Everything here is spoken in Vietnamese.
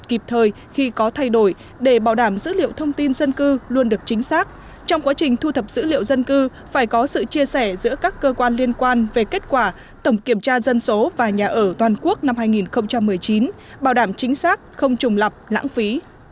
kênh thu thập dữ liệu dân cư phải có sự chia sẻ giữa các cơ quan liên quan về kết quả tổng kiểm tra dân số và nhà ở toàn quốc năm hai nghìn một mươi chín bảo đảm chính xác không trùng lập lãng phí